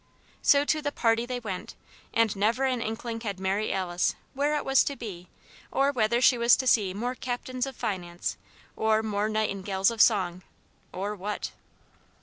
So to the "party" they went and never an inkling had Mary Alice where it was to be or whether she was to see more captains of finance or more nightingales of song, "or what."